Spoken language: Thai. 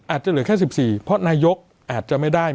อาจจะเหลือแค่๑๔เพราะนายกอาจจะไม่ได้